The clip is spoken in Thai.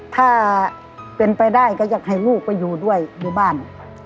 ถ้าเป็นไปได้ก็อยากให้ลูกไปอยู่ด้วยอยู่บ้าน